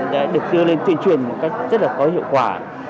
đã được đưa lên tuyên truyền một cách rất là có hiệu quả